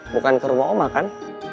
bukan ke rumah oma kan